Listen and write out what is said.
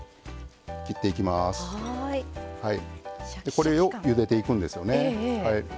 これをゆでていくんですよね。